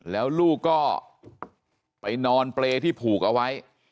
แล้วลูกก็ไปนอนเปรย์ที่ผูกเอาไว้